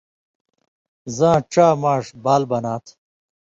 زاں ڇا ماݜ بال بنا تھہ۔